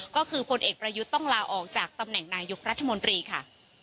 ก็คือพลเอกประยุทธ์ต้องลาออกจากตำแหน่งนายกรัฐมนตรีค่ะ